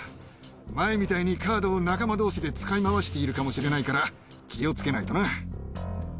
前みたいにカードを仲間どうしで使い回しているかもしれないから、すると。